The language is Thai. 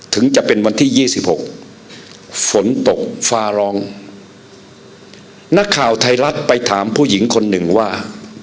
ถึงจะเป็นวันที่ยี่สิบหกฝนตกฟ้าร้องนักข่าวไทยรัฐไปถามผู้หญิงคนหนึ่งว่า